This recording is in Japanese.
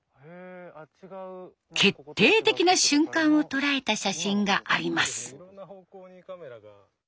決定的な瞬間を捉えた写真があります。